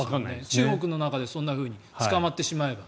中国の中でそんなふうに捕まってしまえば。